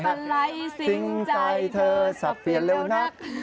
มึดไปไหลสิ้งใจเธอสังเตียร์เลวนัก